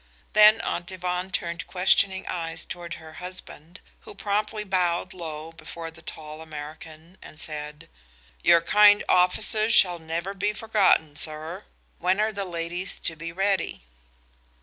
Then Aunt Yvonne turned questioning eyes toward her husband, who promptly bowed low before the tall American and said: "Your kind offices shall never be forgotten, sir. When are the ladies to be ready?"